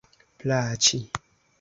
plaĉi